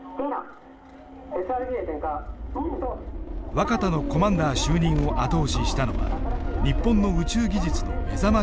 若田のコマンダー就任を後押ししたのは日本の宇宙技術の目覚ましい進歩だった。